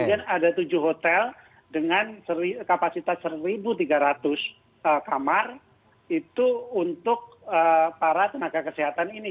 dan ada tujuh hotel dengan kapasitas satu tiga ratus kamar itu untuk para tenaga kesehatan ini